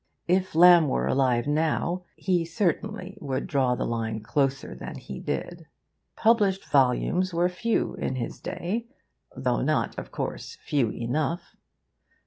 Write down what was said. If Lamb were alive now, he certainly would draw the line closer than he did. Published volumes were few in his day (though not, of course, few enough).